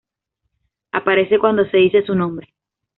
Aparece cuando se dice su nombre.